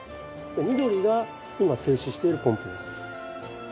緑が今停止しているポンプです。